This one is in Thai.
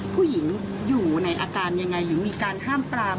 ผู้หญิงอยู่ในอาการอย่างไรหรือมีการห้ามปล่าม